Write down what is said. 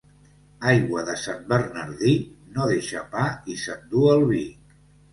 Aigua de Sant Bernadí, no deixa pa i s'endú el vi.